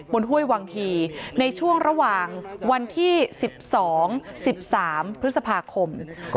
ห้วยวังฮีในช่วงระหว่างวันที่๑๒๑๓พฤษภาคม